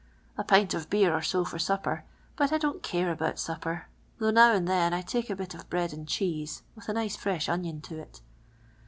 A pint of beer or so for supper, but I di n't care about supper, though now and then I tike a bit of bread and cheese with a nice fre^h onion to it.